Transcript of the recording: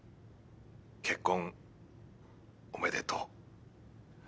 結婚おめでとう。